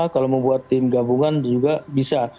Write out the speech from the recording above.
kalau membuat tim gabungan juga bisa